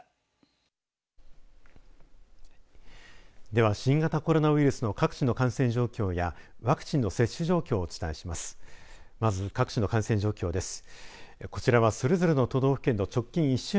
では、新型コロナウイルスの各地の感染状況やワクチンの接種状況をお伝えします。